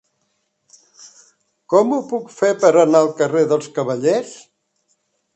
Com ho puc fer per anar al carrer dels Cavallers?